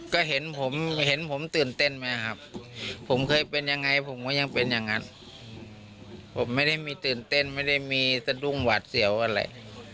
ก็เห็นผมเห็นผมตื่นเต้นไหมครับผมเคยเป็นยังไงผมก็ยังเป็นอย่างนั้นผมไม่ได้มีตื่นเต้นไม่ได้มีสะดุ้งหวาดเสียวอะไร